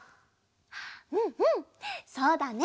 うんうんそうだね。